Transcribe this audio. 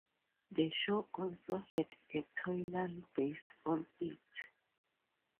The show also had a toyline based on it.